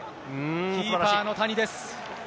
キーパーの谷です。